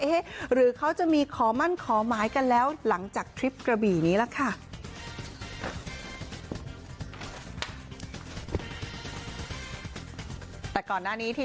หรือเขาจะมีขอมั่นขอหมายกันแล้วหลังจากทริปกระบี่นี้ล่ะค่ะ